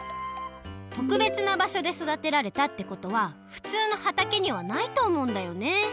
とくべつな場所でそだてられたってことはふつうのはたけにはないとおもうんだよね。